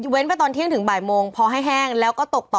เว้นไปตอนเที่ยงถึงบ่ายโมงพอให้แห้งแล้วก็ตกต่อ